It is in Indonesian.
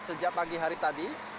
sejak pagi hari tadi